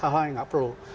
hal lain nggak perlu